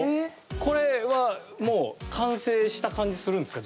これはもう完成した感じするんですか